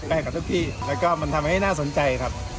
กับทุกที่แล้วก็มันทำให้น่าสนใจครับ